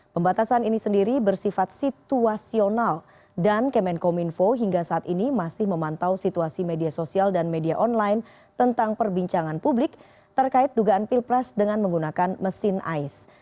pembatasan ini sendiri bersifat situasional dan kemenkominfo hingga saat ini masih memantau situasi media sosial dan media online tentang perbincangan publik terkait dugaan pilpres dengan menggunakan mesin ais